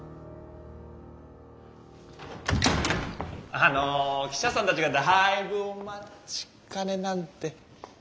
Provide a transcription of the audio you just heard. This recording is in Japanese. あの記者さんたちがだいぶお待ちかねなんで。